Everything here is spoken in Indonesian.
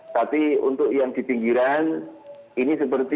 tapi untuk yang di pinggiran ini seperti